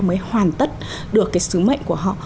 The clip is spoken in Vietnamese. mới hoàn tất được cái sứ mệnh của họ